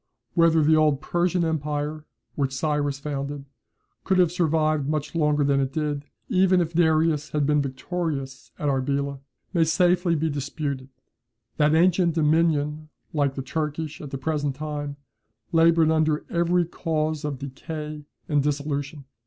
Whether the old Persian empire, which Cyrus founded, could have survived much longer than it did, even if Darius had been victorious at Arbela, may safely be disputed. That ancient dominion, like the Turkish at the present time, laboured under every cause of decay and dissolution.